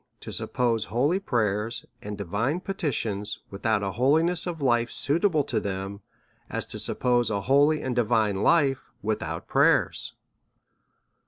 O suppose holy prayers, and divine petitions,, without an hoUness of life suitable to them^ as to suppose an holy and divine life without prayers.